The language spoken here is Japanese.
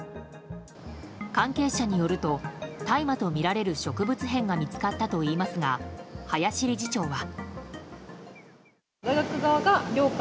関係者によると大麻とみられる植物片が見つかったといいますが林理事長は。